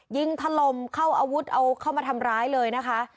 ยิงถล่มเข้าอาวุธเอาเข้ามาทำร้ายเลยนะคะ